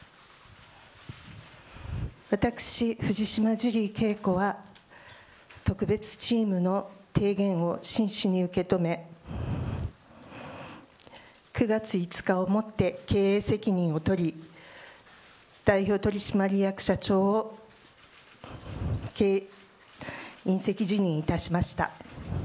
私、藤島ジュリー景子は特別チームの提言を真摯に受け止め９月５日をもって経営責任を取り代表取締役社長を引責辞任いたしました。